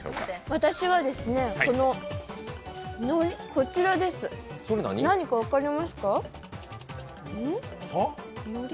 私はこちらです、何か分かりますか？